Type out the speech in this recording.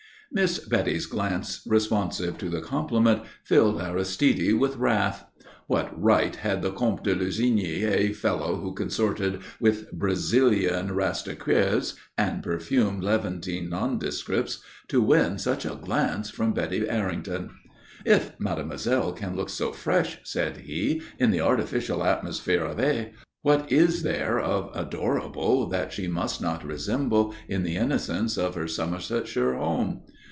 Miss Betty's glance responsive to the compliment filled Aristide with wrath. What right had the Comte de Lussigny, a fellow who consorted with Brazilian Rastaquouères and perfumed Levantine nondescripts, to win such a glance from Betty Errington? "If Mademoiselle can look so fresh," said he, "in the artificial atmosphere of Aix, what is there of adorable that she must not resemble in the innocence of her Somersetshire home?"